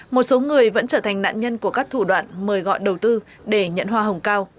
một số người vẫn trở thành nạn nhân của các thủ đoạn mời gọi đầu tư để nhận hoa hồng cao